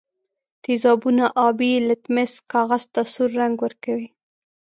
تیزابونه آبي لتمس کاغذ ته سور رنګ ورکوي.